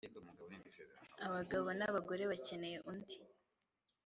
Abagabo nabagore bakeneye undi